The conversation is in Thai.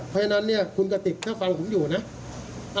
เพราะฉะนั้นเนี่ยคุณกติกถ้าฟังผมอยู่นะ